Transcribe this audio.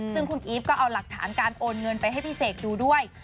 ซึ่งคุณอีฟก็เอาหลักฐานการโอนเงินไปให้พี่เสกดูด้วย